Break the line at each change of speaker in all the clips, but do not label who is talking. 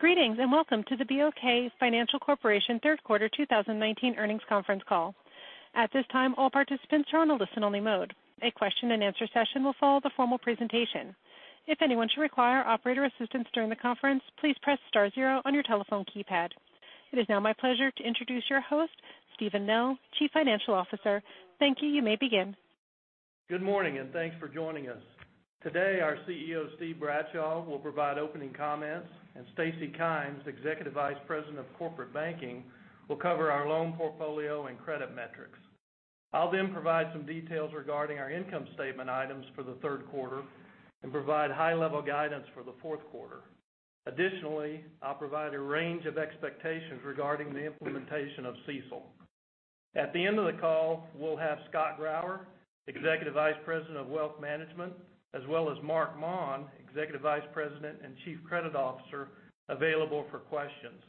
Greetings, and welcome to the BOK Financial Corporation third quarter 2019 earnings conference call. At this time, all participants are on a listen-only mode. A question and answer session will follow the formal presentation. If anyone should require operator assistance during the conference, please press star zero on your your telephone keypad. It is now my pleasure to introduce your host, Steven Nell, Chief Financial Officer. Thank you. You may begin.
Good morning, and thanks for joining us. Today, our CEO, Steve Bradshaw, will provide opening comments, and Stacy Kymes, Executive Vice President of Corporate Banking, will cover our loan portfolio and credit metrics. I'll then provide some details regarding our income statement items for the third quarter and provide high-level guidance for the fourth quarter. Additionally, I'll provide a range of expectations regarding the implementation of CECL. At the end of the call, we'll have Scott Grauer, Executive Vice President of Wealth Management, as well as Marc Maun, Executive Vice President and Chief Credit Officer, available for questions.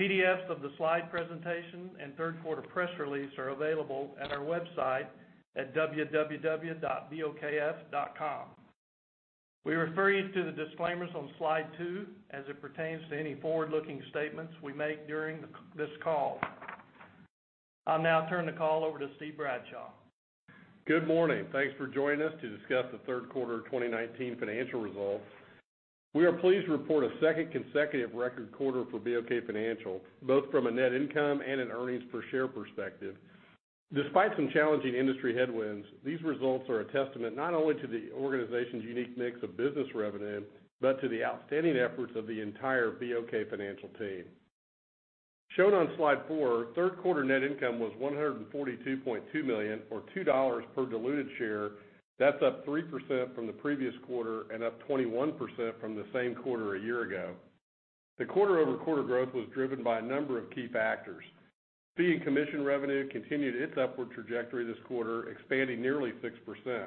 PDFs of the slide presentation and third quarter press release are available at our website at www.bokf.com. We refer you to the disclaimers on slide two as it pertains to any forward-looking statements we make during this call. I'll now turn the call over to Steve Bradshaw.
Good morning. Thanks for joining us to discuss the third quarter 2019 financial results. We are pleased to report a second consecutive record quarter for BOK Financial, both from a net income and an earnings per share perspective. Despite some challenging industry headwinds, these results are a testament not only to the organization's unique mix of business revenue, but to the outstanding efforts of the entire BOK Financial team. Shown on slide four, third quarter net income was $142.2 million, or $2 per diluted share. That's up 3% from the previous quarter and up 21% from the same quarter a year ago. The quarter-over-quarter growth was driven by a number of key factors. Fee and commission revenue continued its upward trajectory this quarter, expanding nearly 6%.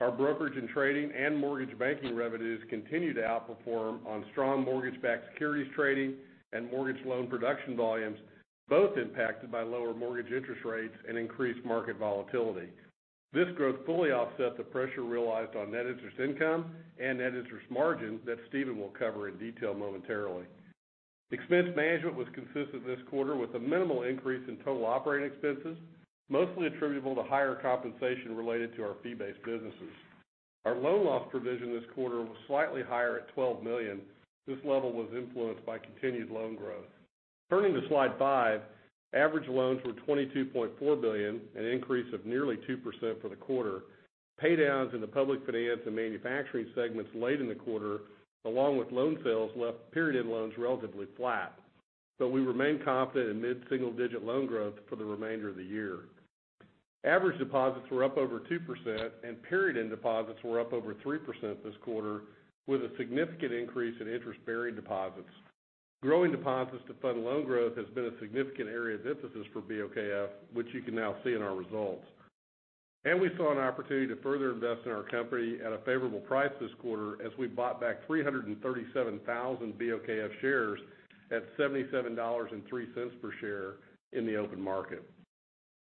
Our brokerage and trading and mortgage banking revenues continue to outperform on strong mortgage-backed securities trading and mortgage loan production volumes, both impacted by lower mortgage interest rates and increased market volatility. This growth fully offset the pressure realized on net interest income and net interest margin that Steven will cover in detail momentarily. Expense management was consistent this quarter with a minimal increase in total operating expenses, mostly attributable to higher compensation related to our fee-based businesses. Our loan loss provision this quarter was slightly higher at $12 million. This level was influenced by continued loan growth. Turning to slide five, average loans were $22.4 billion, an increase of nearly 2% for the quarter. Paydowns in the public finance and manufacturing segments late in the quarter, along with loan sales, left period-end loans relatively flat. We remain confident in mid-single-digit loan growth for the remainder of the year. Average deposits were up over 2%, and period-end deposits were up over 3% this quarter, with a significant increase in interest-bearing deposits. Growing deposits to fund loan growth has been a significant area of emphasis for BOKF, which you can now see in our results. We saw an opportunity to further invest in our company at a favorable price this quarter as we bought back 337,000 BOKF shares at $77.03 per share in the open market.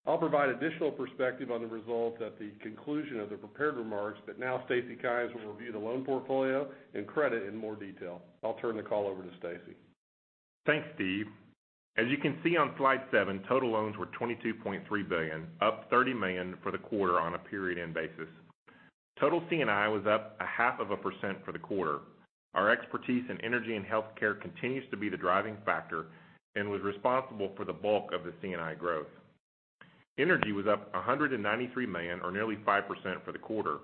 I'll provide additional perspective on the results at the conclusion of the prepared remarks, but now Stacy Kymes will review the loan portfolio and credit in more detail. I'll turn the call over to Stacy.
Thanks, Steve. As you can see on slide seven, total loans were $22.3 billion, up $30 million for the quarter on a period-end basis. Total C&I was up a half of a % for the quarter. Our expertise in energy and healthcare continues to be the driving factor and was responsible for the bulk of the C&I growth. Energy was up $193 million, or nearly 5%, for the quarter.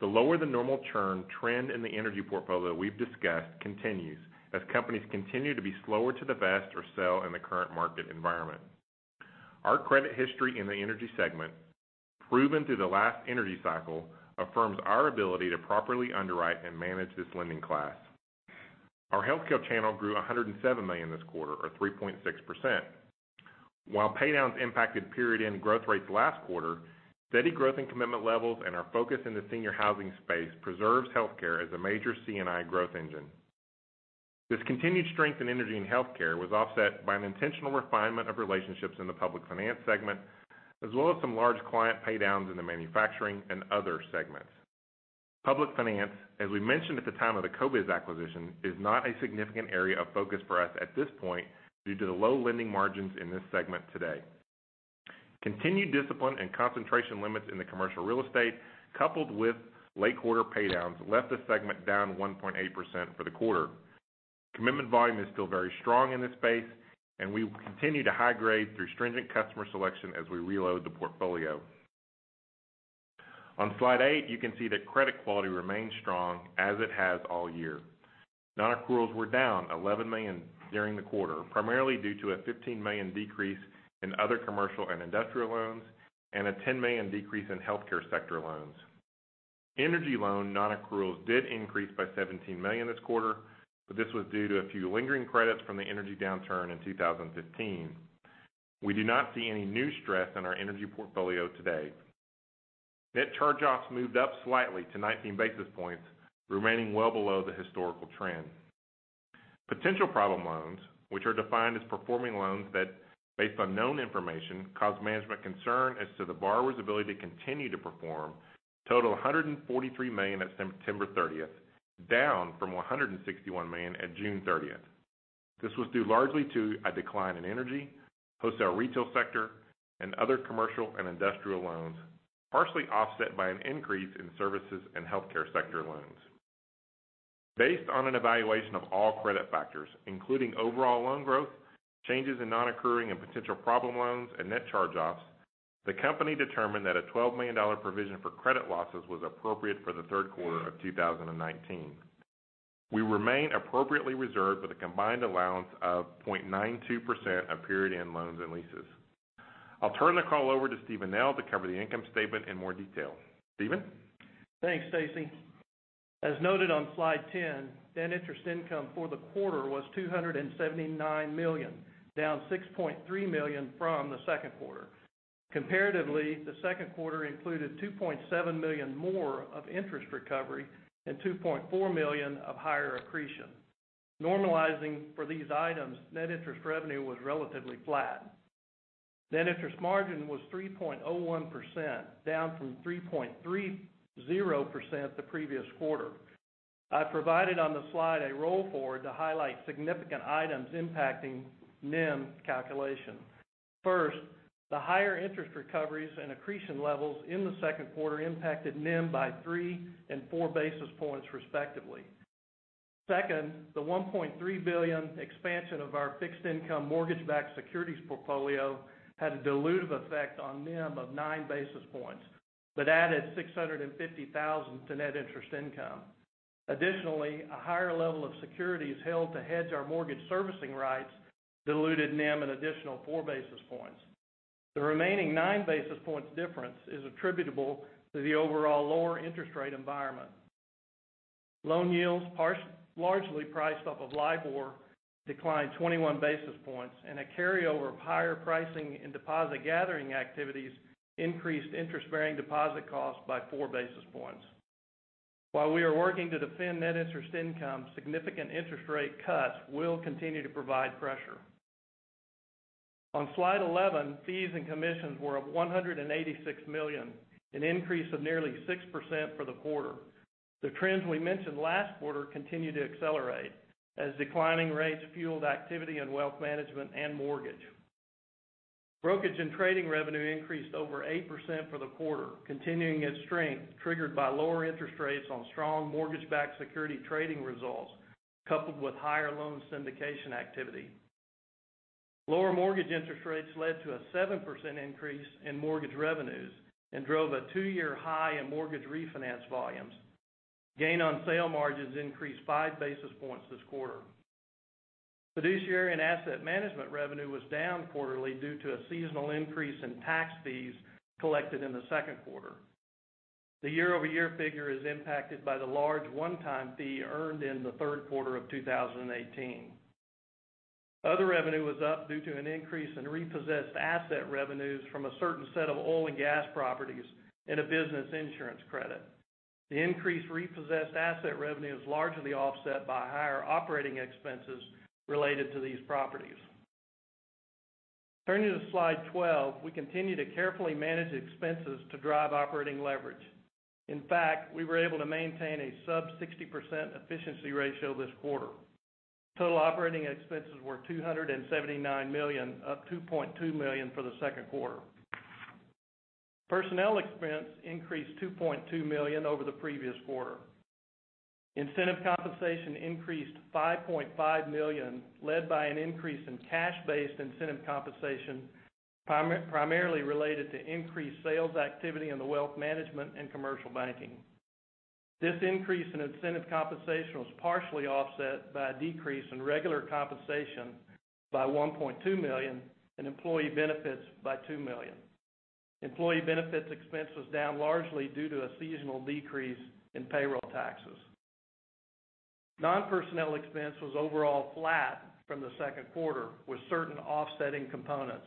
The lower than normal churn trend in the energy portfolio we've discussed continues as companies continue to be slower to divest or sell in the current market environment. Our credit history in the energy segment, proven through the last energy cycle, affirms our ability to properly underwrite and manage this lending class. Our healthcare channel grew $107 million this quarter, or 3.6%. While paydowns impacted period-end growth rates last quarter, steady growth in commitment levels and our focus in the senior housing space preserves healthcare as a major C&I growth engine. This continued strength in energy and healthcare was offset by an intentional refinement of relationships in the public finance segment, as well as some large client paydowns in the manufacturing and other segments. Public finance, as we mentioned at the time of the CoBiz acquisition, is not a significant area of focus for us at this point due to the low lending margins in this segment today. Continued discipline and concentration limits in the commercial real estate, coupled with late quarter paydowns, left the segment down 1.8% for the quarter. Commitment volume is still very strong in this space, and we will continue to high grade through stringent customer selection as we reload the portfolio. On slide eight, you can see that credit quality remains strong as it has all year. Nonaccruals were down $11 million during the quarter, primarily due to a $15 million decrease in other commercial and industrial loans and a $10 million decrease in healthcare sector loans. Energy loan nonaccruals did increase by $17 million this quarter, this was due to a few lingering credits from the energy downturn in 2015. We do not see any new stress in our energy portfolio today. Net charge-offs moved up slightly to 19 basis points, remaining well below the historical trend. Potential problem loans, which are defined as performing loans that, based on known information, cause management concern as to the borrower's ability to continue to perform, total $143 million at September 30th, down from $161 million at June 30th. This was due largely to a decline in energy, wholesale retail sector, and other commercial and industrial loans, partially offset by an increase in services and healthcare sector loans. Based on an evaluation of all credit factors, including overall loan growth, changes in non-accruing and potential problem loans, and net charge-offs, the company determined that a $12 million provision for credit losses was appropriate for the third quarter of 2019. We remain appropriately reserved with a combined allowance of 0.92% of period-end loans and leases. I'll turn the call over to Steven Nell to cover the income statement in more detail. Steven?
Thanks, Stacy. As noted on slide 10, net interest income for the quarter was $279 million, down $6.3 million from the second quarter. Comparatively, the second quarter included $2.7 million more of interest recovery and $2.4 million of higher accretion. Normalizing for these items, net interest revenue was relatively flat. Net interest margin was 3.01%, down from 3.30% the previous quarter. I provided on the slide a roll forward to highlight significant items impacting NIM calculation. First, the higher interest recoveries and accretion levels in the second quarter impacted NIM by three and four basis points, respectively. Second, the $1.3 billion expansion of our fixed income mortgage-backed securities portfolio had a dilutive effect on NIM of nine basis points, but added $650,000 to net interest income. Additionally, a higher level of securities held to hedge our mortgage servicing rights diluted NIM an additional four basis points. The remaining nine basis points difference is attributable to the overall lower interest rate environment. Loan yields, largely priced off of LIBOR, declined 21 basis points, and a carryover of higher pricing and deposit gathering activities increased interest-bearing deposit costs by four basis points. While we are working to defend net interest income, significant interest rate cuts will continue to provide pressure. On slide 11, fees and commissions were up $186 million, an increase of nearly 6% for the quarter. The trends we mentioned last quarter continue to accelerate as declining rates fueled activity in wealth management and mortgage. Brokerage and trading revenue increased over 8% for the quarter, continuing its strength triggered by lower interest rates on strong mortgage-backed security trading results, coupled with higher loan syndication activity. Lower mortgage interest rates led to a 7% increase in mortgage revenues and drove a two-year high in mortgage refinance volumes. Gain-on-sale margins increased five basis points this quarter. Fiduciary and asset management revenue was down quarterly due to a seasonal increase in tax fees collected in the second quarter. The year-over-year figure is impacted by the large one-time fee earned in the third quarter of 2018. Other revenue was up due to an increase in repossessed asset revenues from a certain set of oil and gas properties and a business insurance credit. The increased repossessed asset revenue is largely offset by higher operating expenses related to these properties. Turning to slide 12, we continue to carefully manage expenses to drive operating leverage. In fact, we were able to maintain a sub 60% efficiency ratio this quarter. Total operating expenses were $279 million, up $2.2 million for the second quarter. Personnel expense increased $2.2 million over the previous quarter. Incentive compensation increased to $5.5 million, led by an increase in cash-based incentive compensation, primarily related to increased sales activity in the Wealth Management and commercial banking. This increase in incentive compensation was partially offset by a decrease in regular compensation by $1.2 million and employee benefits by $2 million. Employee benefits expense was down largely due to a seasonal decrease in payroll taxes. Non-personnel expense was overall flat from the second quarter, with certain offsetting components.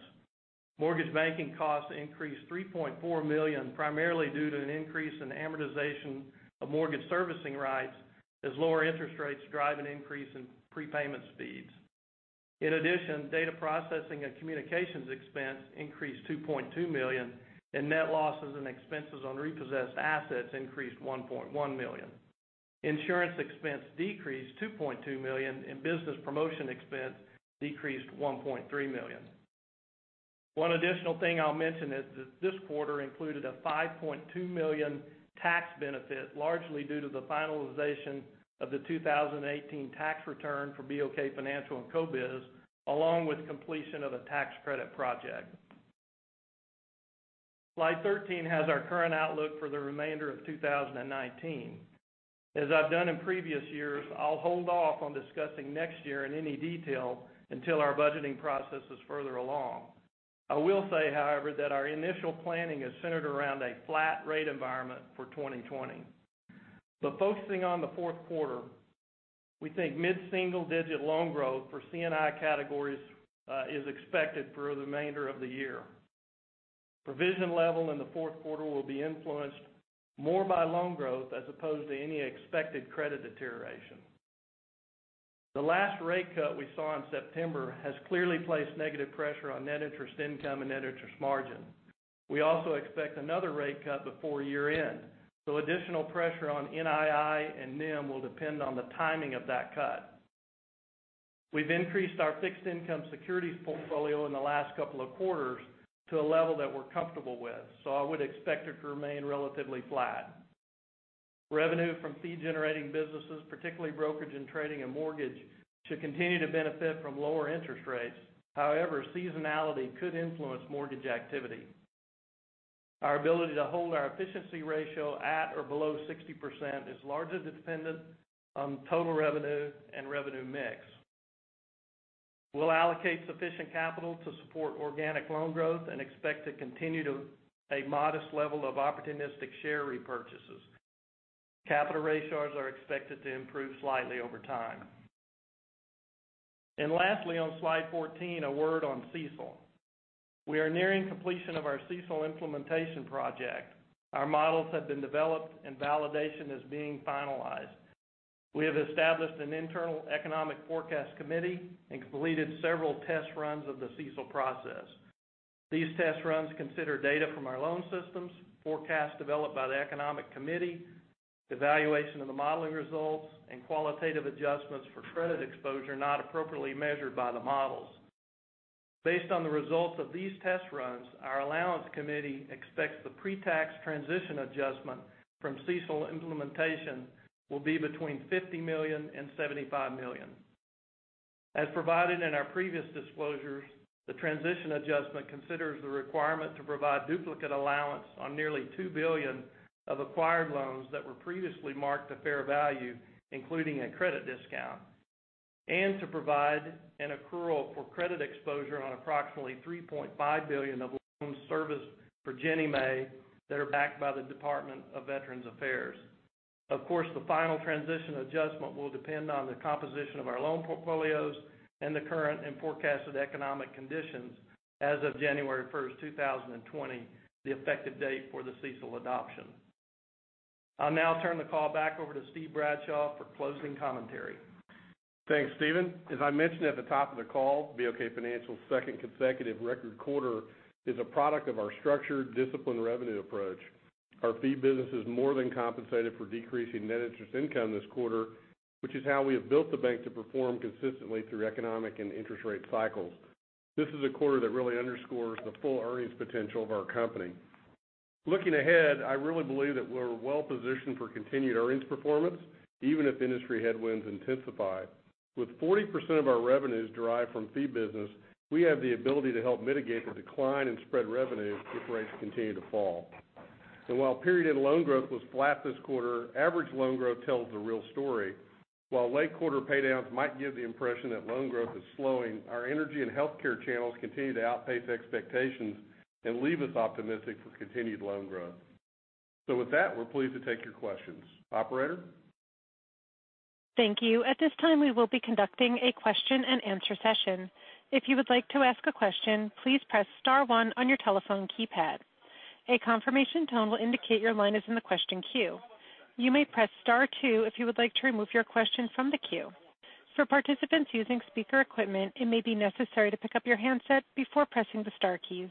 Mortgage banking costs increased $3.4 million, primarily due to an increase in amortization of mortgage servicing rights as lower interest rates drive an increase in prepayment speeds. In addition, data processing and communications expense increased $2.2 million, and net losses and expenses on repossessed assets increased $1.1 million. Insurance expense decreased $2.2 million and business promotion expense decreased $1.3 million. One additional thing I'll mention is that this quarter included a $5.2 million tax benefit, largely due to the finalization of the 2018 tax return for BOK Financial and CoBiz, along with completion of a tax credit project. Slide 13 has our current outlook for the remainder of 2019. As I've done in previous years, I'll hold off on discussing next year in any detail until our budgeting process is further along. I will say, however, that our initial planning is centered around a flat rate environment for 2020. Focusing on the fourth quarter, we think mid-single-digit loan growth for C&I categories is expected for the remainder of the year. Provision level in the fourth quarter will be influenced more by loan growth as opposed to any expected credit deterioration. The last rate cut we saw in September has clearly placed negative pressure on net interest income and net interest margin. We also expect another rate cut before year-end. Additional pressure on NII and NIM will depend on the timing of that cut. We've increased our fixed income securities portfolio in the last couple of quarters to a level that we're comfortable with. I would expect it to remain relatively flat. Revenue from fee-generating businesses, particularly brokerage and trading and mortgage, should continue to benefit from lower interest rates. However, seasonality could influence mortgage activity. Our ability to hold our efficiency ratio at or below 60% is largely dependent on total revenue and revenue mix. We'll allocate sufficient capital to support organic loan growth and expect to continue to a modest level of opportunistic share repurchases. Capital ratios are expected to improve slightly over time. Lastly, on slide 14, a word on CECL. We are nearing completion of our CECL implementation project. Our models have been developed, and validation is being finalized. We have established an internal economic forecast committee and completed several test runs of the CECL process. These test runs consider data from our loan systems, forecasts developed by the economic committee, evaluation of the modeling results, and qualitative adjustments for credit exposure not appropriately measured by the models. Based on the results of these test runs, our allowance committee expects the pre-tax transition adjustment from CECL implementation will be between $50 million and $75 million. As provided in our previous disclosures, the transition adjustment considers the requirement to provide duplicate allowance on nearly $2 billion of acquired loans that were previously marked to fair value, including a credit discount, and to provide an accrual for credit exposure on approximately $3.5 billion of loans serviced for Ginnie Mae that are backed by the U.S. Department of Veterans Affairs. Of course, the final transition adjustment will depend on the composition of our loan portfolios and the current and forecasted economic conditions as of January 1, 2020, the effective date for the CECL adoption. I'll now turn the call back over to Steve Bradshaw for closing commentary.
Thanks, Steven. As I mentioned at the top of the call, BOK Financial's second consecutive record quarter is a product of our structured, disciplined revenue approach. Our fee business has more than compensated for decreasing net interest income this quarter, which is how we have built the bank to perform consistently through economic and interest rate cycles. This is a quarter that really underscores the full earnings potential of our company. Looking ahead, I really believe that we're well-positioned for continued earnings performance, even if industry headwinds intensify. With 40% of our revenues derived from fee business, we have the ability to help mitigate the decline in spread revenue if rates continue to fall. While period loan growth was flat this quarter, average loan growth tells the real story. While late quarter pay-downs might give the impression that loan growth is slowing, our energy and healthcare channels continue to outpace expectations and leave us optimistic for continued loan growth. With that, we're pleased to take your questions. Operator?
Thank you. At this time, we will be conducting a question and answer session. If you would like to ask a question, please press star one on your telephone keypad. A confirmation tone will indicate your line is in the question queue. You may press star two if you would like to remove your question from the queue. For participants using speaker equipment, it may be necessary to pick up your handset before pressing the star keys.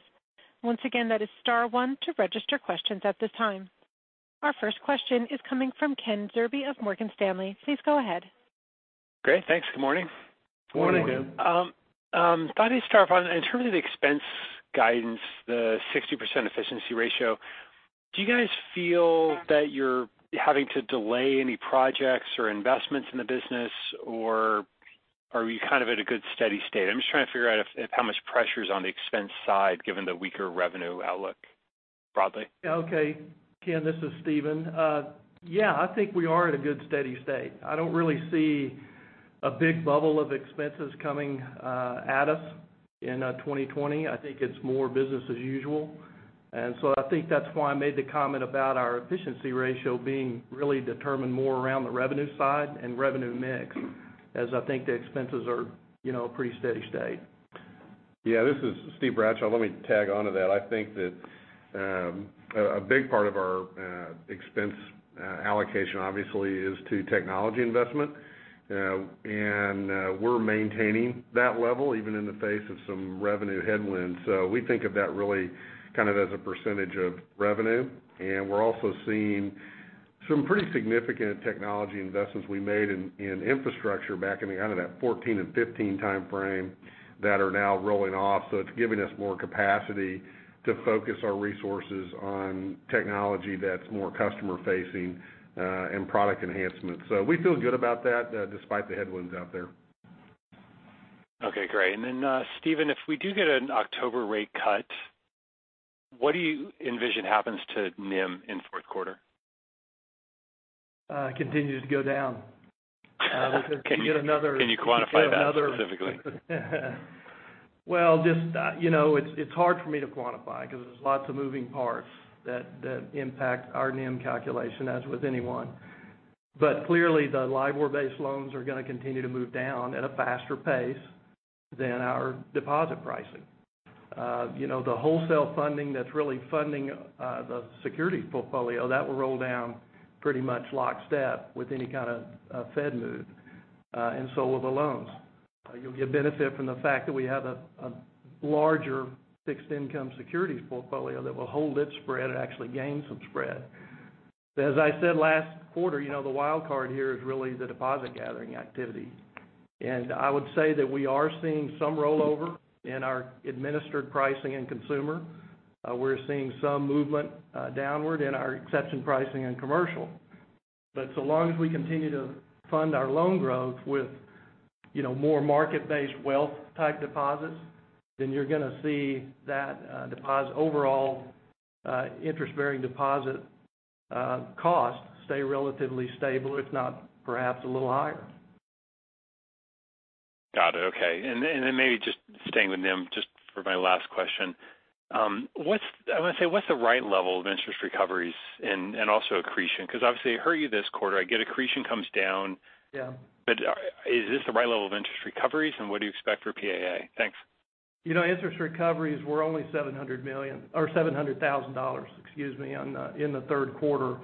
Once again, that is star one to register questions at this time. Our first question is coming from Ken Zerbe of Morgan Stanley. Please go ahead.
Great. Thanks. Good morning.
Good morning.
Good morning.
Thought I'd start off on, in terms of the expense guidance, the 60% efficiency ratio, do you guys feel that you're having to delay any projects or investments in the business, or are we kind of at a good, steady state? I'm just trying to figure out how much pressure is on the expense side, given the weaker revenue outlook broadly.
Okay. Ken, this is Steven. Yeah, I think we are at a good, steady state. I don't really see a big bubble of expenses coming at us in 2020. I think it's more business as usual. I think that's why I made the comment about our efficiency ratio being really determined more around the revenue side and revenue mix, as I think the expenses are pretty steady state.
Yeah, this is Steve Bradshaw. Let me tag onto that. I think that a big part of our expense allocation, obviously, is to technology investment. We're maintaining that level even in the face of some revenue headwinds. We think of that really kind of as a percentage of revenue. We're also seeing some pretty significant technology investments we made in infrastructure back in the kind of that 2014 and 2015 timeframe that are now rolling off. It's giving us more capacity to focus our resources on technology that's more customer facing and product enhancement. We feel good about that, despite the headwinds out there.
Okay, great. Then, Steven, if we do get an October rate cut, what do you envision happens to NIM in fourth quarter?
Continues to go down.
Can you quantify that specifically?
Well, it's hard for me to quantify because there's lots of moving parts that impact our NIM calculation, as with anyone. Clearly, the LIBOR-based loans are going to continue to move down at a faster pace than our deposit pricing. The wholesale funding that's really funding the securities portfolio, that will roll down pretty much lockstep with any kind of Fed move, and so will the loans. You'll get benefit from the fact that we have a larger fixed income securities portfolio that will hold its spread and actually gain some spread. As I said last quarter, the wild card here is really the deposit gathering activity. I would say that we are seeing some rollover in our administered pricing in consumer. We're seeing some movement downward in our exception pricing in commercial. So long as we continue to fund our loan growth with more market-based wealth-type deposits, then you're going to see that overall interest-bearing deposit cost stay relatively stable, if not perhaps a little higher.
Got it. Okay. Maybe just staying with NIM, just for my last question. I want to say, what's the right level of interest recoveries and also accretion? Obviously, it hurt you this quarter. I get accretion comes down. Yeah. Is this the right level of interest recoveries and what do you expect for PAA? Thanks.
Interest recoveries were only $700,000 in the third quarter.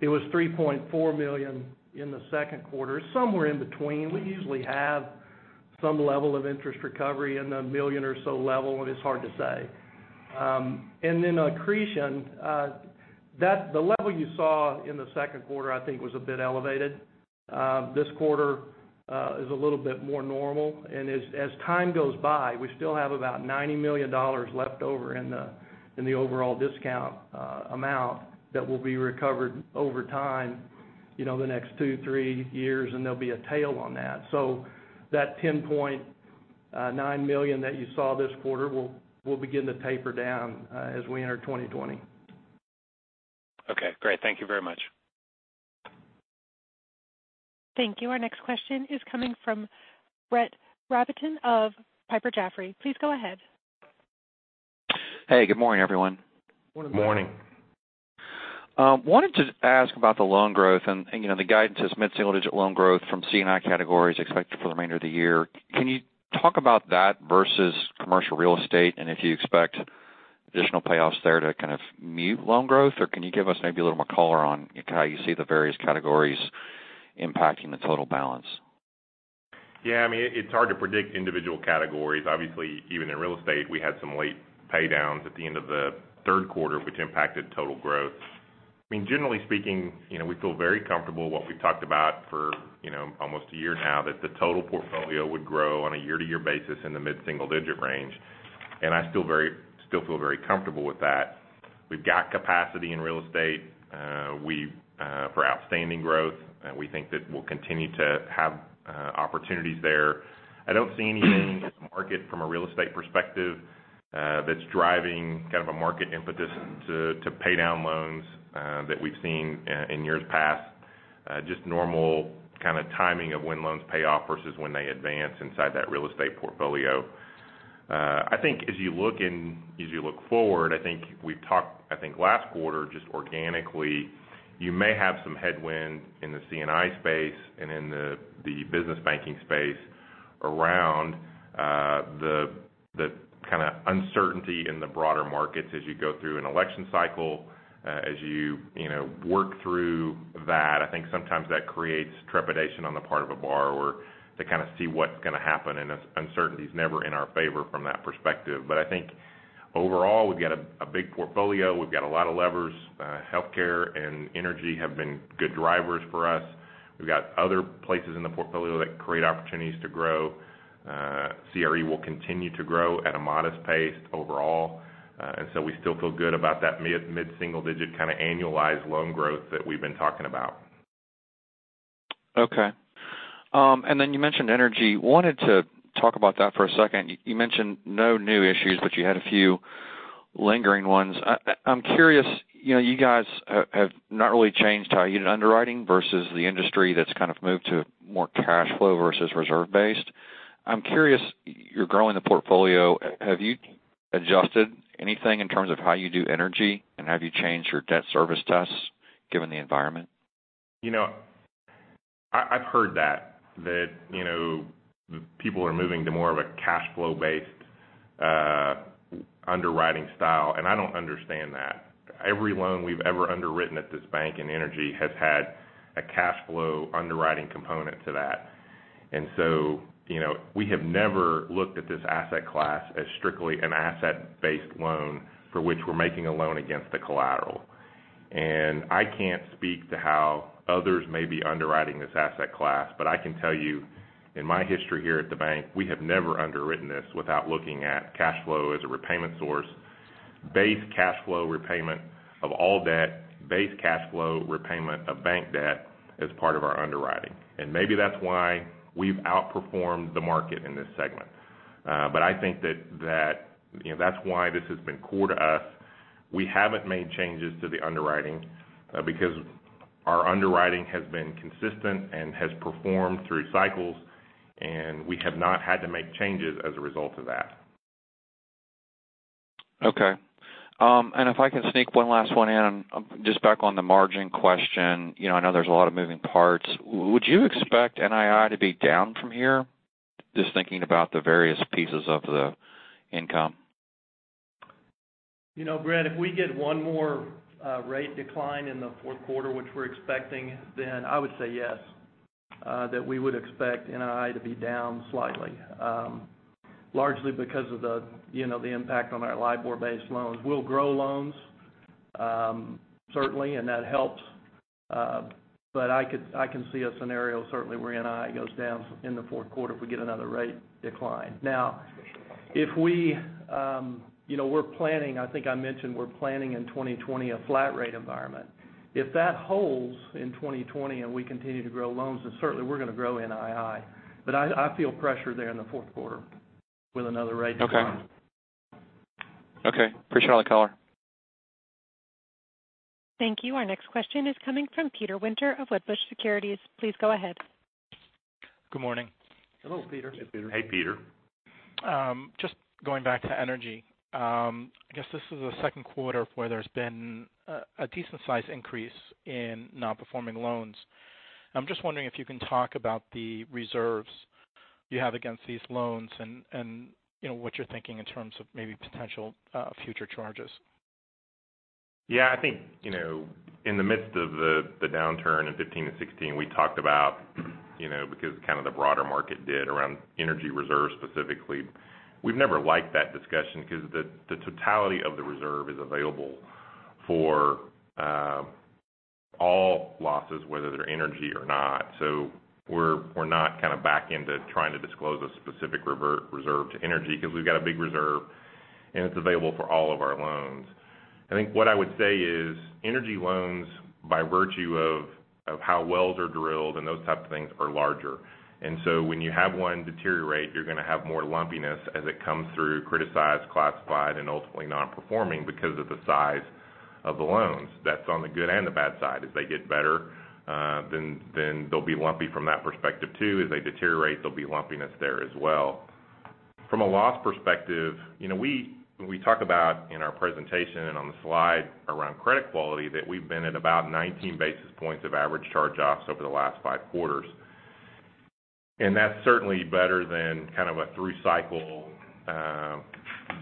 It was $3.4 million in the second quarter, somewhere in between. We usually have some level of interest recovery in the million or so level, and it's hard to say. Accretion, the level you saw in the second quarter, I think, was a bit elevated. This quarter is a little bit more normal. As time goes by, we still have about $90 million left over in the overall discount amount that will be recovered over time, the next two, three years, and there'll be a tail on that. That $10.9 million that you saw this quarter will begin to taper down as we enter 2020.
Okay, great. Thank you very much.
Thank you. Our next question is coming from Brett Rabatin of Piper Jaffray. Please go ahead.
Hey, good morning, everyone.
Morning.
Morning.
Wanted to ask about the loan growth and the guidance has mid-single-digit loan growth from C&I categories expected for the remainder of the year. Can you talk about that versus commercial real estate? If you expect additional payoffs there to kind of mute loan growth, or can you give us maybe a little more color on how you see the various categories impacting the total balance?
Yeah, it's hard to predict individual categories. Obviously, even in real estate, we had some late paydowns at the end of the third quarter, which impacted total growth. Generally speaking, we feel very comfortable what we've talked about for almost a year now, that the total portfolio would grow on a year-to-year basis in the mid-single-digit range. I still feel very comfortable with that. We've got capacity in real estate for outstanding growth. We think that we'll continue to have opportunities there. I don't see anything in the market from a real estate perspective that's driving kind of a market impetus to pay down loans that we've seen in years past. Just normal kind of timing of when loans pay off versus when they advance inside that real estate portfolio. I think as you look forward, I think we've talked, I think, last quarter, just organically, you may have some headwind in the C&I space and in the business banking space around the kind of uncertainty in the broader markets as you go through an election cycle. As you work through that, I think sometimes that creates trepidation on the part of a borrower to kind of see what's going to happen, and uncertainty's never in our favor from that perspective. I think overall, we've got a big portfolio. We've got a lot of levers. Healthcare and energy have been good drivers for us. We've got other places in the portfolio that create opportunities to grow. CRE will continue to grow at a modest pace overall. We still feel good about that mid-single digit kind of annualized loan growth that we've been talking about.
Okay. You mentioned energy. Wanted to talk about that for a second. You mentioned no new issues, but you had a few lingering ones. I'm curious, you guys have not really changed how you did underwriting versus the industry that's kind of moved to more cash flow versus reserve-based. I'm curious, you're growing the portfolio. Have you adjusted anything in terms of how you do energy? Have you changed your debt service tests given the environment?
I've heard that people are moving to more of a cash flow-based underwriting style, and I don't understand that. Every loan we've ever underwritten at this bank in energy has had a cash flow underwriting component to that. We have never looked at this asset class as strictly an asset-based loan for which we're making a loan against the collateral. I can't speak to how others may be underwriting this asset class, but I can tell you in my history here at the bank, we have never underwritten this without looking at cash flow as a repayment source, base cash flow repayment of all debt, base cash flow repayment of bank debt as part of our underwriting. Maybe that's why we've outperformed the market in this segment. I think that's why this has been core to us. We haven't made changes to the underwriting because our underwriting has been consistent and has performed through cycles, and we have not had to make changes as a result of that.
Okay. If I can sneak one last one in, just back on the margin question. I know there's a lot of moving parts. Would you expect NII to be down from here? Just thinking about the various pieces of the income.
Brad, if we get one more rate decline in the fourth quarter, which we're expecting, I would say yes, that we would expect NII to be down slightly. Largely because of the impact on our LIBOR-based loans. We'll grow loans, certainly, that helps. I can see a scenario, certainly, where NII goes down in the fourth quarter if we get another rate decline. We're planning, I think I mentioned, we're planning in 2020 a flat rate environment. If that holds in 2020 we continue to grow loans, certainly we're going to grow NII. I feel pressure there in the fourth quarter with another rate decline.
Okay. Appreciate all the color.
Thank you. Our next question is coming from Peter Winter of Wedbush Securities. Please go ahead.
Good morning.
Hello, Peter.
Hey, Peter.
Going back to energy. I guess this is the second quarter where there's been a decent size increase in non-performing loans. I'm just wondering if you can talk about the reserves you have against these loans and what you're thinking in terms of maybe potential future charges.
Yeah, I think, in the midst of the downturn in 2015 and 2016, we talked about because the broader market did around energy reserves specifically. We've never liked that discussion because the totality of the reserve is available for all losses, whether they're energy or not. We're not back into trying to disclose a specific reserve to energy because we've got a big reserve and it's available for all of our loans. I think what I would say is energy loans, by virtue of how wells are drilled and those types of things, are larger. When you have one deteriorate, you're going to have more lumpiness as it comes through criticized, classified, and ultimately non-performing because of the size of the loans. That's on the good and the bad side. As they get better, then they'll be lumpy from that perspective, too. As they deteriorate, there'll be lumpiness there as well. From a loss perspective, we talk about in our presentation and on the slide around credit quality that we've been at about 19 basis points of average charge-offs over the last five quarters. That's certainly better than a through cycle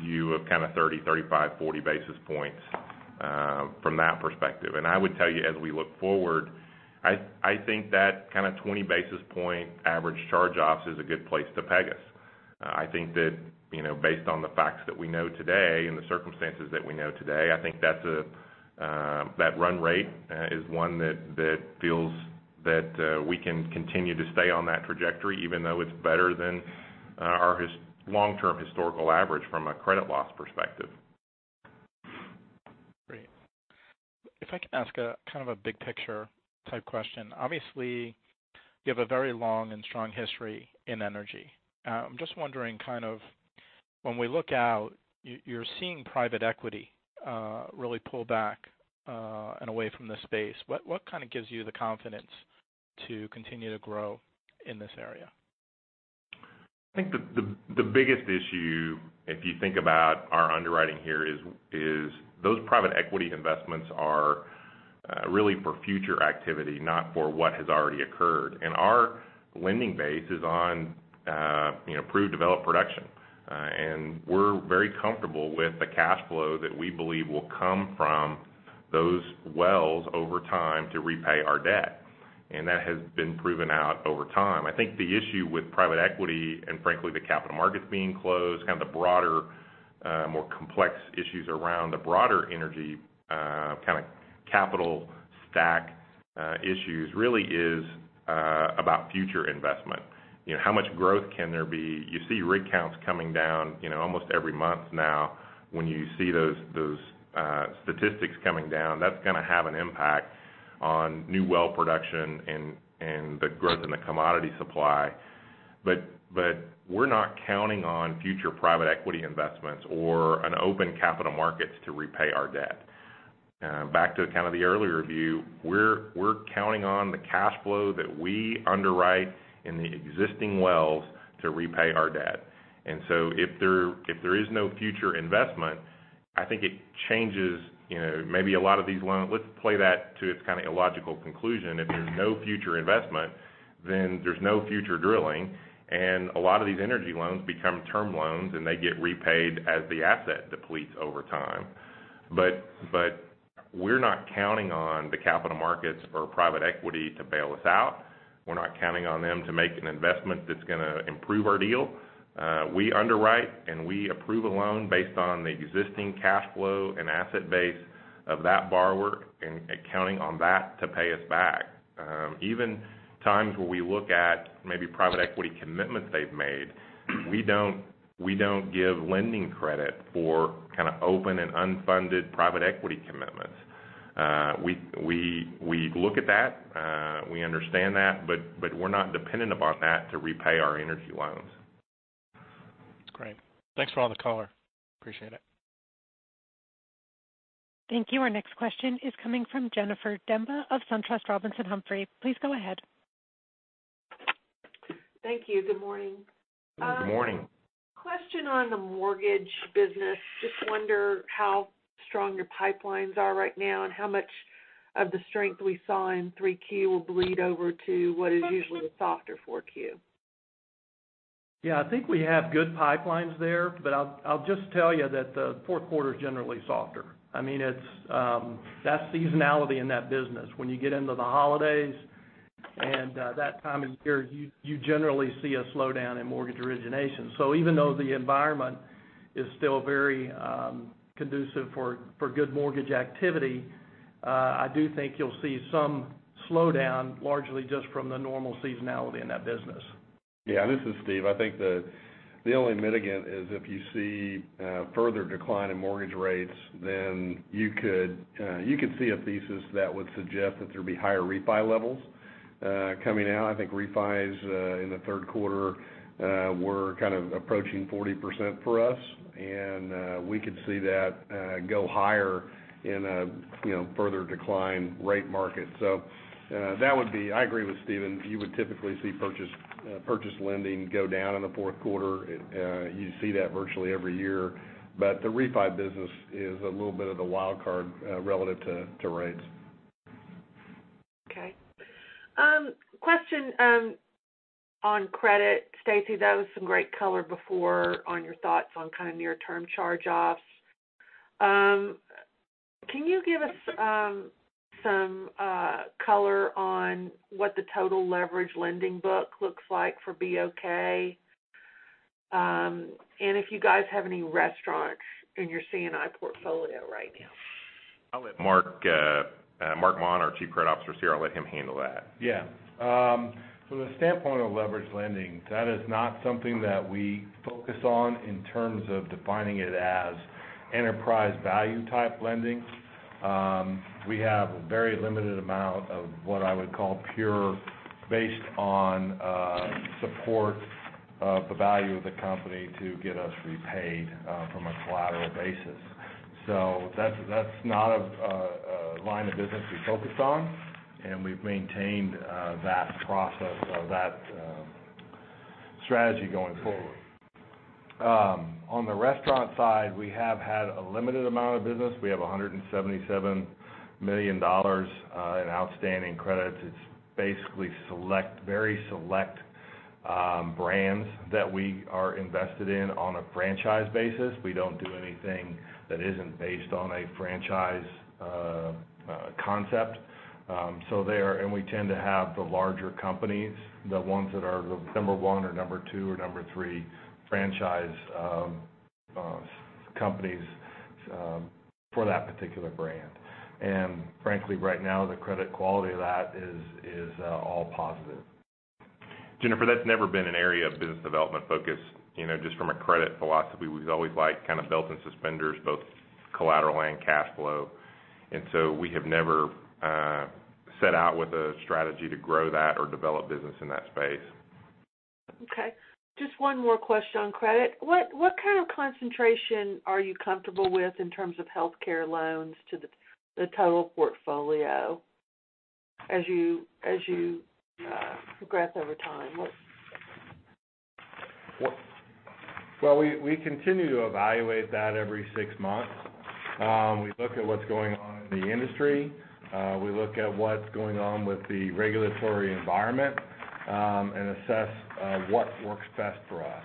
view of 30, 35, 40 basis points from that perspective. I would tell you as we look forward, I think that 20 basis point average charge-offs is a good place to peg us. I think that based on the facts that we know today and the circumstances that we know today, I think that run rate is one that feels that we can continue to stay on that trajectory, even though it's better than our long-term historical average from a credit loss perspective.
Great. If I can ask a big picture type question. Obviously, you have a very long and strong history in energy. I'm just wondering, when we look out, you're seeing private equity really pull back and away from the space. What gives you the confidence to continue to grow in this area?
I think the biggest issue, if you think about our underwriting here, is those private equity investments are really for future activity, not for what has already occurred. Our lending base is on proved developed production. We're very comfortable with the cash flow that we believe will come from those wells over time to repay our debt. That has been proven out over time. I think the issue with private equity and frankly, the capital markets being closed, the broader, more complex issues around the broader energy capital stack issues really is about future investment. How much growth can there be? You see rig counts coming down almost every month now. When you see those statistics coming down, that's going to have an impact on new well production and the growth in the commodity supply. We're not counting on future private equity investments or an open capital markets to repay our debt. Back to the earlier view, we're counting on the cash flow that we underwrite in the existing wells to repay our debt. If there is no future investment, I think it changes maybe a lot of these loans. Let's play that to its illogical conclusion. If there's no future investment, then there's no future drilling, and a lot of these energy loans become term loans, and they get repaid as the asset depletes over time. We're not counting on the capital markets or private equity to bail us out. We're not counting on them to make an investment that's going to improve our deal. We underwrite and we approve a loan based on the existing cash flow and asset base of that borrower and counting on that to pay us back. Even times where we look at maybe private equity commitments they've made, we don't give lending credit for open and unfunded private equity commitments. We look at that, we understand that, but we're not dependent upon that to repay our energy loans.
Great. Thanks for all the color. Appreciate it.
Thank you. Our next question is coming from Jennifer Demba of SunTrust Robinson Humphrey. Please go ahead.
Thank you. Good morning.
Good morning.
Question on the mortgage business. Wonder how strong your pipelines are right now and how much of the strength we saw in 3Q will bleed over to what is usually the softer 4Q?
I think we have good pipelines there, but I'll just tell you that the fourth quarter is generally softer. That seasonality in that business, when you get into the holidays and that time of year, you generally see a slowdown in mortgage origination. Even though the environment is still very conducive for good mortgage activity, I do think you'll see some slowdown, largely just from the normal seasonality in that business.
This is Steve. I think the only mitigant is if you see a further decline in mortgage rates, then you could see a thesis that would suggest that there'll be higher refi levels coming out. I think refis in the third quarter were kind of approaching 40% for us, and we could see that go higher in a further decline rate market. I agree with Steven. You would typically see purchase lending go down in the fourth quarter. You see that virtually every year. The refi business is a little bit of a wild card relative to rates.
Okay. Question on credit. Stacy, that was some great color before on your thoughts on near-term charge-offs. Can you give us some color on what the total leverage lending book looks like for BOK? If you guys have any restaurants in your C&I portfolio right now.
I'll let Marc Maun, our Chief Credit Officer, is here. I'll let him handle that.
Yeah. From the standpoint of leverage lending, that is not something that we focus on in terms of defining it as enterprise value-type lending. We have a very limited amount of what I would call pure based on support of the value of the company to get us repaid from a collateral basis. That's not a line of business we focus on, and we've maintained that process or that strategy going forward. On the restaurant side, we have had a limited amount of business. We have $177 million in outstanding credits. It's basically very select brands that we are invested in on a franchise basis. We don't do anything that isn't based on a franchise concept. We tend to have the larger companies, the ones that are the number one or number two or number three franchise companies for that particular brand. Frankly, right now, the credit quality of that is all positive.
Jennifer, that's never been an area of business development focus. Just from a credit philosophy, we've always liked kind of belt and suspenders, both collateral and cash flow. We have never set out with a strategy to grow that or develop business in that space.
Okay. Just one more question on credit. What kind of concentration are you comfortable with in terms of healthcare loans to the total portfolio as you progress over time?
We continue to evaluate that every six months. We look at what's going on in the industry. We look at what's going on with the regulatory environment and assess what works best for us.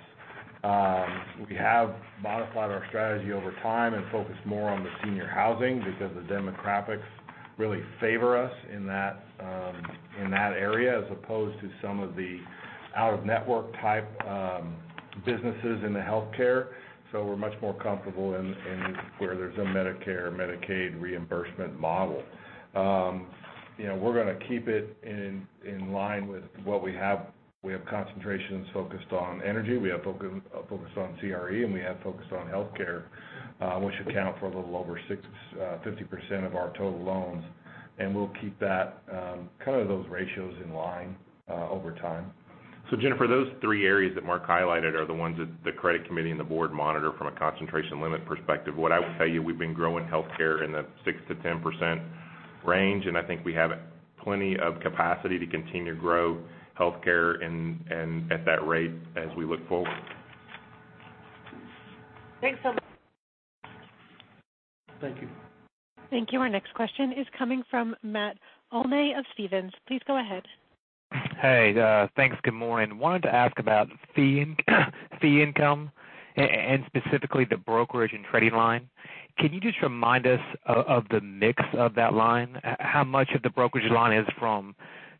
We have modified our strategy over time and focused more on the senior housing because the demographics really favor us in that area, as opposed to some of the out-of-network type businesses in the healthcare. We're much more comfortable where there's a Medicare, Medicaid reimbursement model. We're going to keep it in line with what we have. We have concentrations focused on energy, we have focus on CRE, and we have focus on healthcare which account for a little over 50% of our total loans. We'll keep those ratios in line over time.
Jennifer, those three areas that Marc highlighted are the ones that the credit committee and the board monitor from a concentration limit perspective. What I would tell you, we've been growing healthcare in the 6% to 10% range, and I think we have plenty of capacity to continue to grow healthcare at that rate as we look forward.
Thanks so much.
Thank you.
Thank you. Our next question is coming from Matt Olney of Stephens. Please go ahead.
Hey. Thanks. Good morning. Wanted to ask about fee income and specifically the brokerage and trading line. Can you just remind us of the mix of that line? How much of the brokerage line is from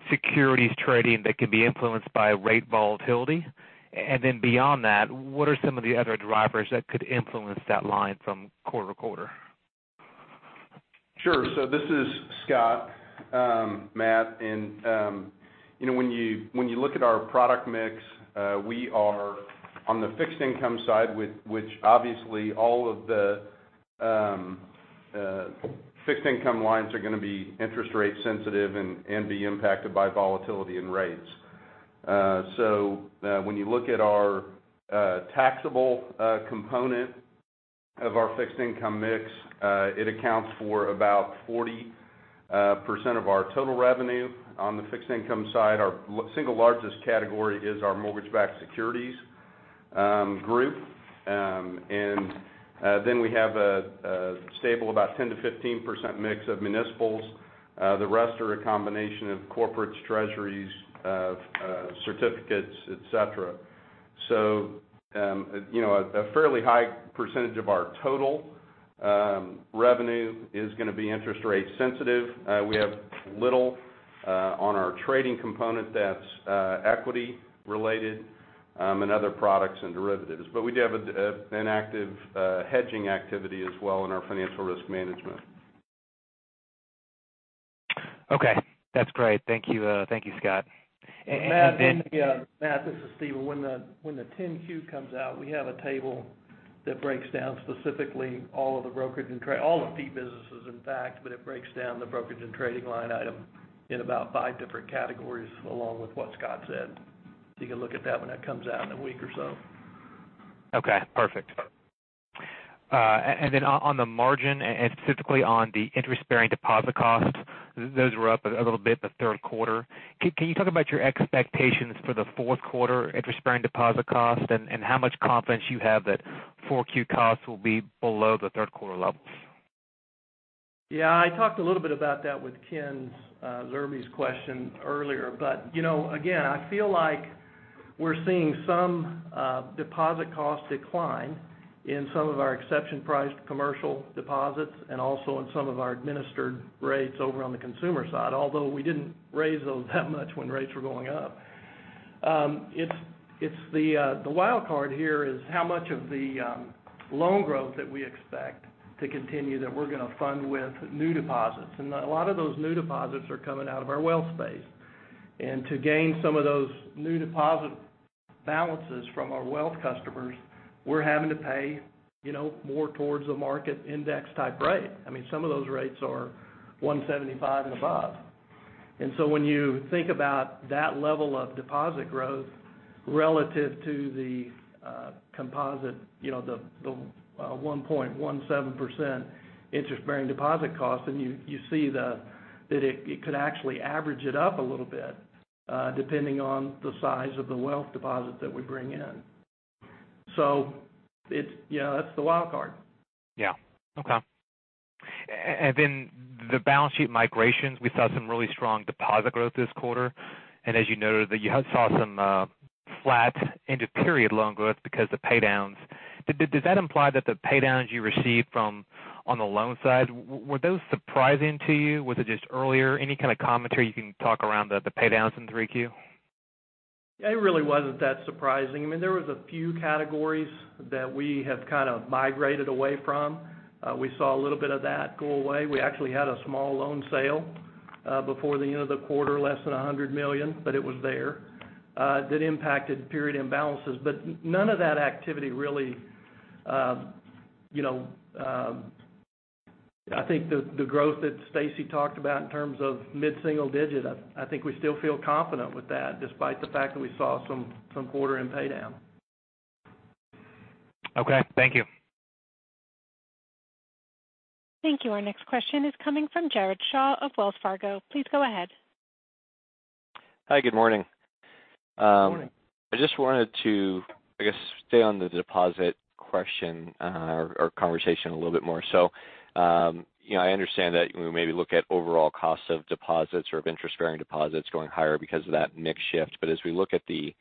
securities trading that can be influenced by rate volatility? Beyond that, what are some of the other drivers that could influence that line from quarter to quarter?
Sure. This is Scott. Matt, when you look at our product mix, we are on the fixed income side, which obviously all of the fixed income lines are going to be interest rate sensitive and be impacted by volatility and rates. When you look at our taxable component of our fixed income mix, it accounts for about 40% of our total revenue. On the fixed income side, our single largest category is our mortgage-backed securities group. We have a stable, about 10%-15% mix of municipals. The rest are a combination of corporates, treasuries, certificates, et cetera. A fairly high percentage of our total revenue is going to be interest rate sensitive. We have little on our trading component that's equity related, and other products and derivatives. We do have an active hedging activity as well in our financial risk management.
Okay. That's great. Thank you, Scott.
Matt, this is Steven. When the 10-Q comes out, we have a table that breaks down specifically all of the brokerage and trade, all the fee businesses, in fact, but it breaks down the brokerage and trading line item in about five different categories, along with what Scott said. You can look at that when that comes out in a week or so.
Okay, perfect. On the margin, and specifically on the interest-bearing deposit costs, those were up a little bit the third quarter. Can you talk about your expectations for the fourth quarter interest-bearing deposit cost and how much confidence you have that 4Q costs will be below the third quarter levels?
Yeah, I talked a little bit about that with Kenneth Zerbe's question earlier. Again, I feel like we're seeing some deposit cost decline in some of our exception priced commercial deposits and also in some of our administered rates over on the consumer side, although we didn't raise those that much when rates were going up. The wild card here is how much of the loan growth that we expect to continue that we're going to fund with new deposits. A lot of those new deposits are coming out of our wealth space. To gain some of those new deposit balances from our wealth customers, we're having to pay more towards the market index type rate. Some of those rates are 175 and above. When you think about that level of deposit growth relative to the composite, the 1.17% interest-bearing deposit cost, then you see that it could actually average it up a little bit, depending on the size of the wealth deposit that we bring in. That's the wild card.
Yeah. Okay. Then the balance sheet migrations, we saw some really strong deposit growth this quarter. As you noted, that you have saw some flat end of period loan growth because the pay downs. Does that imply that the pay downs you received on the loan side, were those surprising to you? Was it just earlier? Any kind of commentary you can talk around the pay downs in 3Q?
It really wasn't that surprising. There was a few categories that we have migrated away from. We saw a little bit of that go away. We actually had a small loan sale before the end of the quarter, less than $100 million. It was there. That impacted period imbalances. I think the growth that Stacy talked about in terms of mid-single digit, I think we still feel confident with that, despite the fact that we saw some quarter-end pay down.
Okay. Thank you.
Thank you. Our next question is coming from Jared Shaw of Wells Fargo. Please go ahead.
Hi, good morning.
Good morning.
I just wanted to, I guess, stay on the deposit question or conversation a little bit more. I understand that we maybe look at overall costs of deposits or of interest-bearing deposits going higher because of that mix shift. As we look at the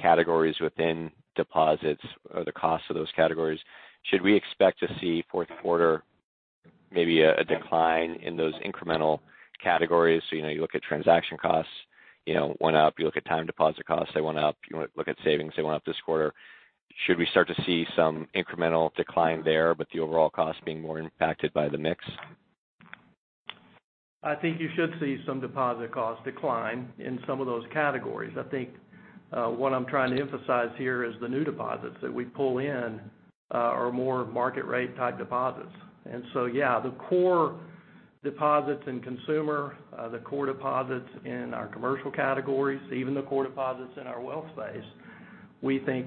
categories within deposits or the cost of those categories, should we expect to see fourth quarter maybe a decline in those incremental categories? You look at transaction costs, went up. You look at time deposit costs, they went up. You look at savings, they went up this quarter. Should we start to see some incremental decline there, but the overall cost being more impacted by the mix?
I think you should see some deposit cost decline in some of those categories. I think what I'm trying to emphasize here is the new deposits that we pull in are more market rate type deposits. Yeah, the core deposits in consumer, the core deposits in our commercial categories, even the core deposits in our wealth space, we think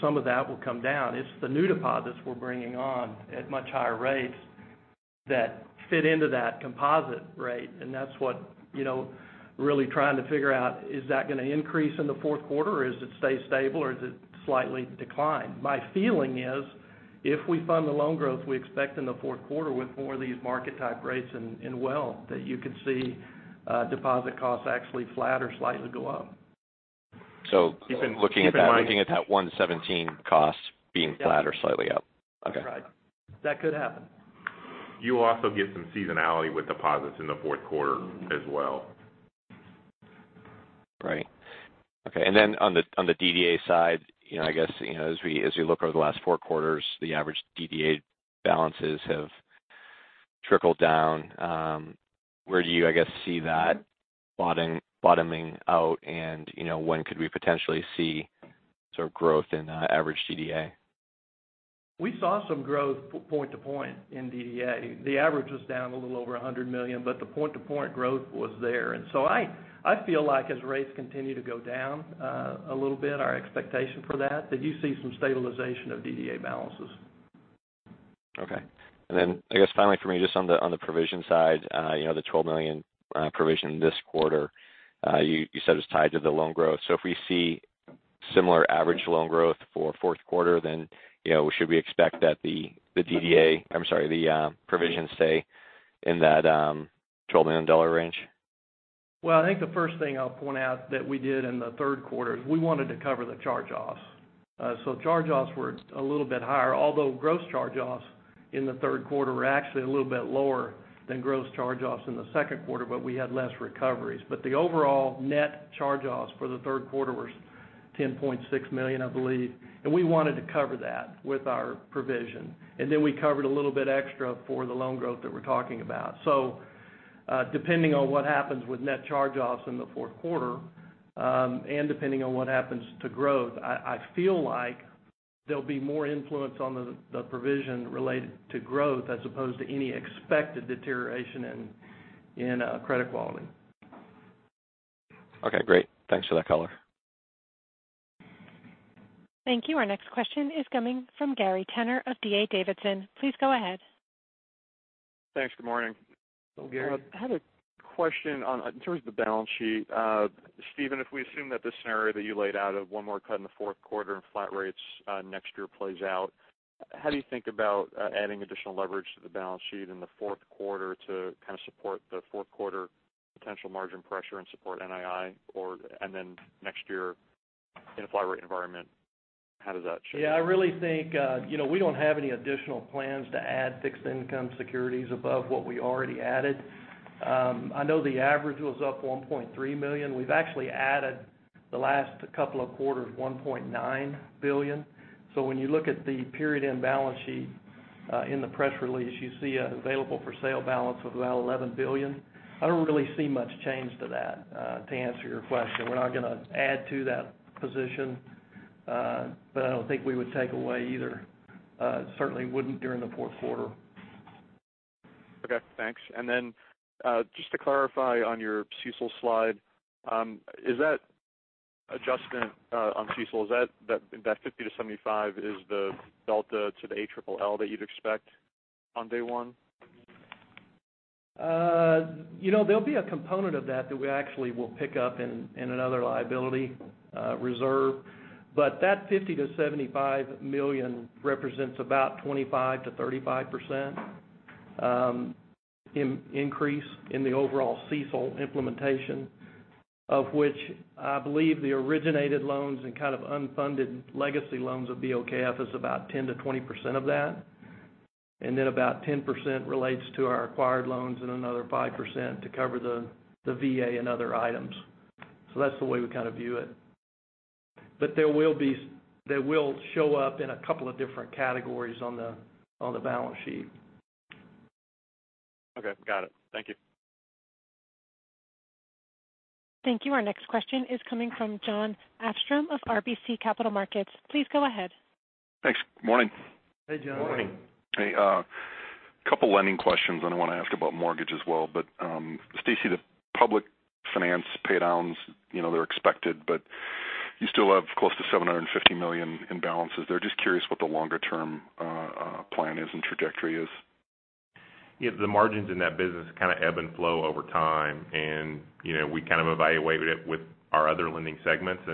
some of that will come down. It's the new deposits we're bringing on at much higher rates that fit into that composite rate, and that's what really trying to figure out, is that going to increase in the fourth quarter, or does it stay stable, or does it slightly decline? My feeling is, if we fund the loan growth we expect in the fourth quarter with more of these market type rates in wealth, that you could see deposit costs actually flat or slightly go up.
Looking at that.
Keep in mind.
looking at that $117 cost being flat or slightly up. Okay.
That's right. That could happen.
You will also get some seasonality with deposits in the fourth quarter as well.
Right. Okay. On the DDA side, I guess as we look over the last four quarters, the average DDA balances have trickled down. Where do you, I guess, see that bottoming out and when could we potentially see sort of growth in average DDA?
We saw some growth point to point in DDA. The average was down a little over $100 million, the point to point growth was there. I feel like as rates continue to go down a little bit, our expectation for that you see some stabilization of DDA balances.
Okay. I guess finally for me, just on the provision side, the $12 million provision this quarter, you said it was tied to the loan growth. If we see similar average loan growth for fourth quarter, then should we expect that the DDA I'm sorry, the provisions stay in that $12 million range?
I think the first thing I'll point out that we did in the third quarter is we wanted to cover the charge-offs. Charge-offs were a little bit higher, although gross charge-offs in the third quarter were actually a little bit lower than gross charge-offs in the second quarter, but we had less recoveries. The overall net charge-offs for the third quarter were $10.6 million, I believe. We wanted to cover that with our provision. Then we covered a little bit extra for the loan growth that we're talking about. Depending on what happens with net charge-offs in the fourth quarter, and depending on what happens to growth, I feel like there'll be more influence on the provision related to growth as opposed to any expected deterioration in credit quality.
Okay, great. Thanks for that color.
Thank you. Our next question is coming from Gary Tenner of D.A. Davidson & Co. Please go ahead.
Thanks. Good morning.
Hello, Gary.
I had a question in terms of the balance sheet. Steven, if we assume that the scenario that you laid out of one more cut in the fourth quarter and flat rates next year plays out, how do you think about adding additional leverage to the balance sheet in the fourth quarter to kind of support the fourth quarter potential margin pressure and support NII? Then next year, in a flat rate environment, how does that change?
Yeah, I really think we don't have any additional plans to add fixed income securities above what we already added. I know the average was up $1.3 million. We've actually added the last couple of quarters, $1.9 billion. When you look at the period-end balance sheet in the press release, you see an available for sale balance of about $11 billion. I don't really see much change to that, to answer your question. We're not going to add to that position. I don't think we would take away either. Certainly wouldn't during the fourth quarter.
Okay, thanks. Just to clarify on your CECL slide. Is that adjustment on CECL, that 50-75 is the delta to the ALLL that you'd expect on day one?
There'll be a component of that we actually will pick up in another liability reserve. That $50 million-$75 million represents about 25%-35% increase in the overall CECL implementation, of which I believe the originated loans and kind of unfunded legacy loans of BOKF is about 10%-20% of that. About 10% relates to our acquired loans and another 5% to cover the VA and other items. That's the way we kind of view it. They will show up in a couple of different categories on the balance sheet.
Okay, got it. Thank you.
Thank you. Our next question is coming from Jon Arfstrom of RBC Capital Markets. Please go ahead.
Thanks. Good morning.
Hey, Jon. Morning.
A couple lending questions, I want to ask about mortgage as well. Stacy, the public finance paydowns, they're expected, but you still have close to $750 million in balances there. Just curious what the longer-term plan is and trajectory is.
The margins in that business kind of ebb and flow over time, and we kind of evaluate it with our other lending segments.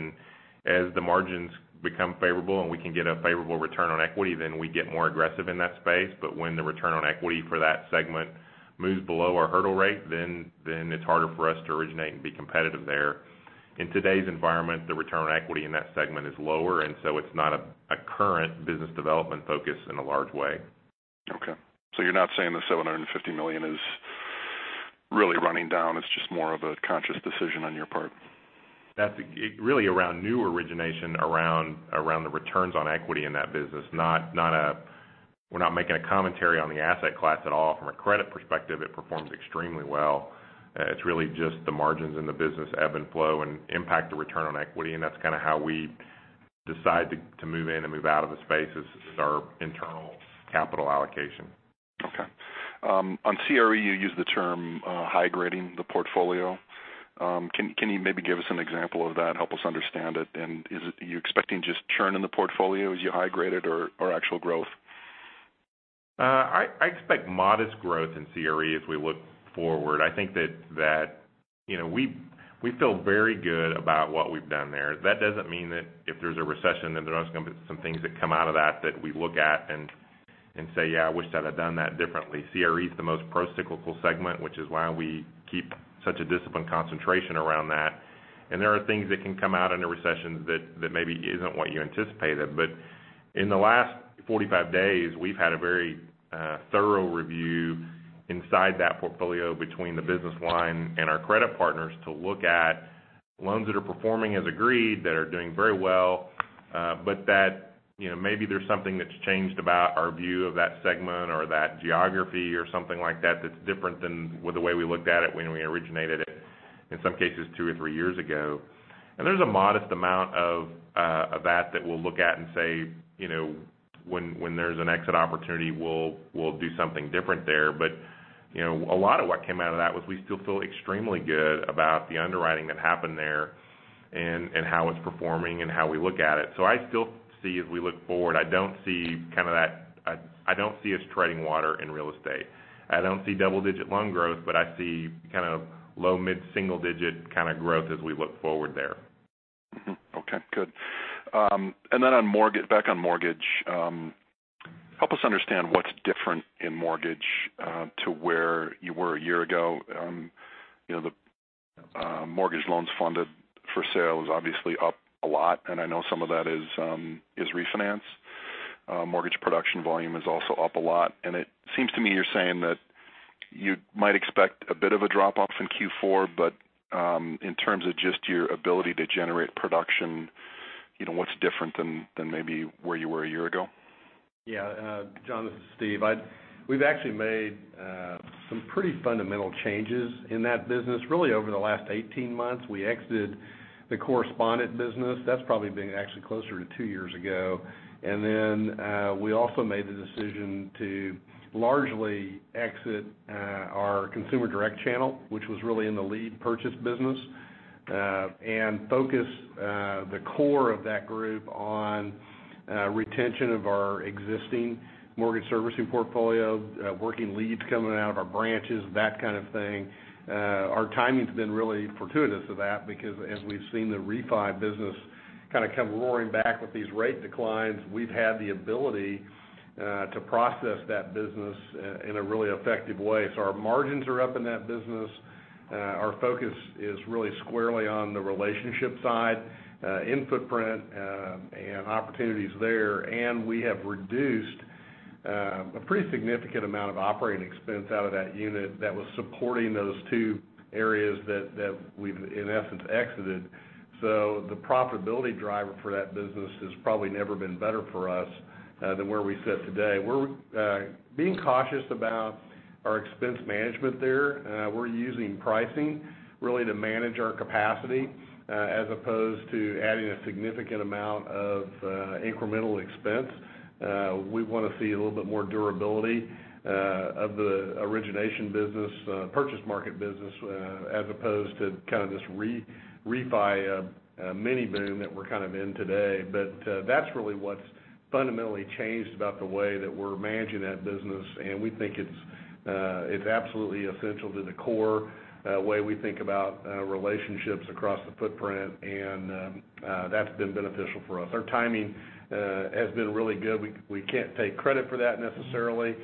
As the margins become favorable and we can get a favorable return on equity, then we get more aggressive in that space. When the return on equity for that segment moves below our hurdle rate, then it's harder for us to originate and be competitive there. In today's environment, the return on equity in that segment is lower, and so it's not a current business development focus in a large way.
Okay. You're not saying the $750 million is really running down, it's just more of a conscious decision on your part.
That's really around new origination around the returns on equity in that business. We're not making a commentary on the asset class at all. From a credit perspective, it performs extremely well. It's really just the margins in the business ebb and flow and impact the return on equity, and that's kind of how we decide to move in and move out of the space as our internal capital allocation.
Okay. On CRE, you used the term high-grading the portfolio. Can you maybe give us an example of that, help us understand it? Are you expecting just churn in the portfolio as you high-grade it or actual growth?
I expect modest growth in CRE as we look forward. I think that we feel very good about what we've done there. That doesn't mean that if there's a recession, then there are going to be some things that come out of that that we look at and say, "Yeah, I wish that I'd done that differently." CRE is the most pro-cyclical segment, which is why we keep such a disciplined concentration around that. There are things that can come out in a recession that maybe isn't what you anticipated. In the last 45 days, we've had a very thorough review inside that portfolio between the business line and our credit partners to look at loans that are performing as agreed, that are doing very well. That maybe there's something that's changed about our view of that segment or that geography or something like that's different than the way we looked at it when we originated it, in some cases two or three years ago. There's a modest amount of that we'll look at and say, when there's an exit opportunity, we'll do something different there. A lot of what came out of that was we still feel extremely good about the underwriting that happened there, and how it's performing and how we look at it. I still see as we look forward, I don't see us treading water in real estate. I don't see double-digit loan growth, but I see low mid-single digit kind of growth as we look forward there.
Mm-hmm. Okay, good. Then back on mortgage, help us understand what's different in mortgage to where you were a year ago. The mortgage loans funded for sale is obviously up a lot, and I know some of that is refinance. Mortgage production volume is also up a lot, and it seems to me you're saying that you might expect a bit of a drop-off in Q4, but in terms of just your ability to generate production, what's different than maybe where you were a year ago?
Yeah. Jon, this is Steve. We've actually made some pretty fundamental changes in that business, really over the last 18 months. We exited the correspondent business. That's probably been actually closer to two years ago. We also made the decision to largely exit our consumer direct channel, which was really in the lead purchase business, and focus the core of that group on retention of our existing mortgage servicing portfolio, working leads coming out of our branches, that kind of thing. Our timing's been really fortuitous of that because as we've seen the refi business kind of come roaring back with these rate declines, we've had the ability to process that business in a really effective way. Our margins are up in that business. Our focus is really squarely on the relationship side, in footprint, and opportunities there. We have reduced a pretty significant amount of operating expense out of that unit that was supporting those two areas that we've, in essence, exited. The profitability driver for that business has probably never been better for us than where we sit today. We're being cautious about our expense management there. We're using pricing really to manage our capacity, as opposed to adding a significant amount of incremental expense. We want to see a little bit more durability of the origination business, purchase market business, as opposed to kind of this refi mini boom that we're kind of in today. That's really what's fundamentally changed about the way that we're managing that business, and we think it's absolutely essential to the core way we think about relationships across the footprint. That's been beneficial for us. Our timing has been really good. We can't take credit for that necessarily.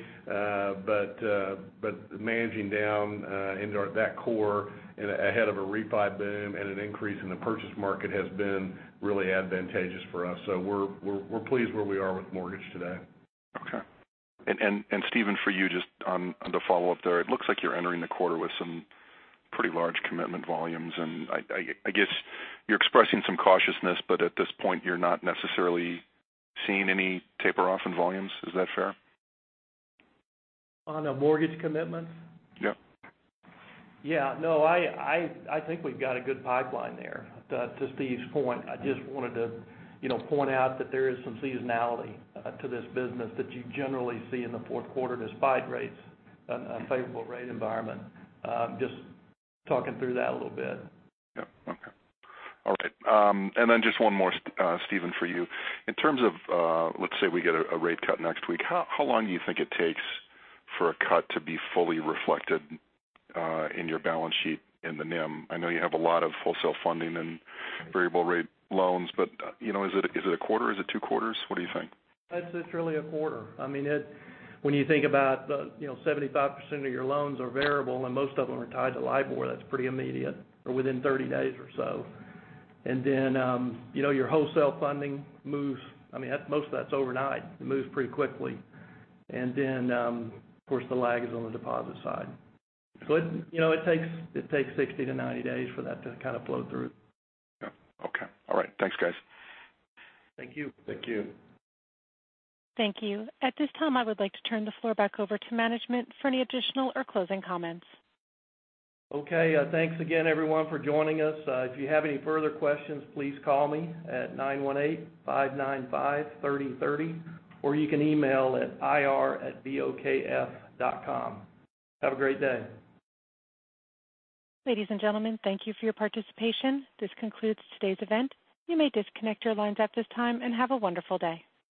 Managing down into that core ahead of a refi boom and an increase in the purchase market has been really advantageous for us. We're pleased where we are with mortgage today.
Okay. Steven, for you, just on the follow-up there, it looks like you're entering the quarter with some pretty large commitment volumes, and I guess you're expressing some cautiousness, but at this point, you're not necessarily seeing any taper off in volumes. Is that fair?
On the mortgage commitments?
Yep.
Yeah. No, I think we've got a good pipeline there. To Steve's point, I just wanted to point out that there is some seasonality to this business that you generally see in the fourth quarter, despite rates, unfavorable rate environment. Just talking through that a little bit.
Yep. Okay. All right. Just one more, Steven, for you. In terms of, let's say we get a rate cut next week, how long do you think it takes for a cut to be fully reflected in your balance sheet in the NIM? I know you have a lot of wholesale funding and variable rate loans, is it a quarter? Is it two quarters? What do you think?
It's really a quarter. When you think about 75% of your loans are variable and most of them are tied to LIBOR, that's pretty immediate or within 30 days or so. Your wholesale funding, most of that's overnight. It moves pretty quickly. Of course, the lag is on the deposit side. It takes 60 to 90 days for that to kind of flow through.
Yep. Okay. All right. Thanks, guys.
Thank you.
Thank you.
Thank you. At this time, I would like to turn the floor back over to management for any additional or closing comments.
Okay. Thanks again, everyone, for joining us. If you have any further questions, please call me at 918-595-3030, or you can email at ir@bokf.com. Have a great day.
Ladies and gentlemen, thank you for your participation. This concludes today's event. You may disconnect your lines at this time, and have a wonderful day.